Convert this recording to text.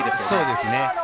そうですね。